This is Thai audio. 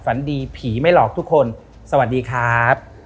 ฝันดีผีไม่หลอกทุกคนสวัสดีครับ